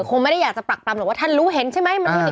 คงไม่ได้อยากจะปรักปรำหรอกว่าท่านรู้เห็นใช่ไหม